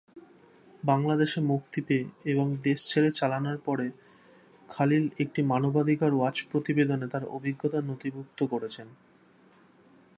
বাংলাদেশে মুক্তি পেয়ে এবং দেশ ছেড়ে পালানোর পরে খলিল একটি মানবাধিকার ওয়াচ প্রতিবেদনে তার অভিজ্ঞতার নথিভুক্ত করেছেন।